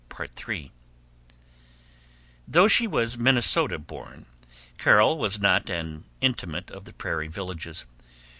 III Though she was Minnesota born Carol was not an intimate of the prairie villages.